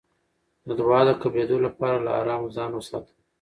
د دعا د قبلېدو لپاره له حرامو ځان وساته.